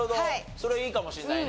それいいかもしれないね。